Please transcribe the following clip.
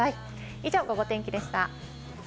以上、ゴゴ天気でした。